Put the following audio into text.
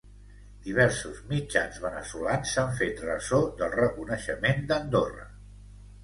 Diversos mitjans veneçolans s’han fet ressò del reconeixement d’Andorra.